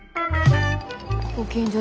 ご近所